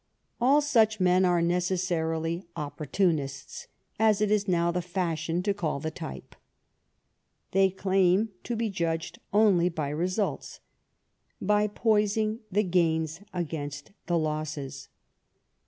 All such men are necessarily Opportunists, as it is now the fashion to call the type ; they claim to be judged only by results, by poising the gains against the losses.